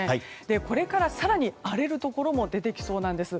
これから更に荒れるところも出てきそうなんです。